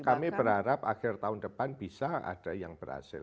kami berharap akhir tahun depan bisa ada yang berhasil